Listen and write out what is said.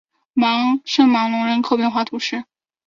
圣罗芒人口变化图示